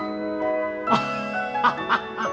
アハハハ。